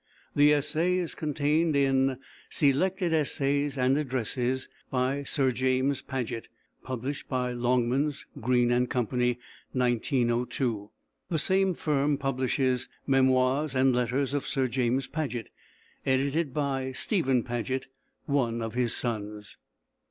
The essay is contained in "Selected Essays and Addresses," by Sir James Paget, published by Longmans, Green & Co., 1902. The same firm publishes "Memoirs and Letters of Sir James Paget," edited by Stephen Paget, one of his sons.